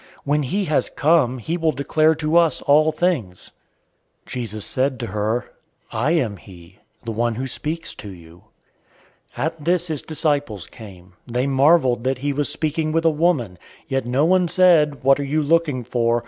"When he has come, he will declare to us all things." 004:026 Jesus said to her, "I am he, the one who speaks to you." 004:027 At this, his disciples came. They marveled that he was speaking with a woman; yet no one said, "What are you looking for?"